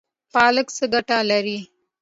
پالک څه ګټه لري؟